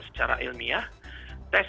tes keperawanan adalah pelanggaran hak asasi